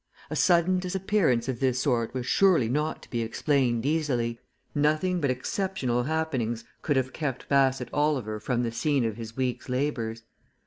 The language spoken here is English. A sudden disappearance of this sort was surely not to be explained easily nothing but exceptional happenings could have kept Bassett Oliver from the scene of his week's labours.